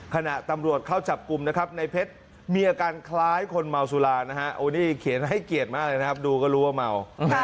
ขณะตำรวจเข้าจับกลุ่มนะครับในเพชรมีอาการคล้ายคนเมาสุรานะฮะโอ้นี่เขียนให้เกียรติมากเลยนะครับดูก็รู้ว่าเมา